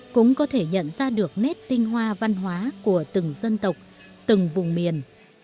cũng có thể nhận ra được nét tinh hoa văn hóa của từng dân tộc từng vùng miền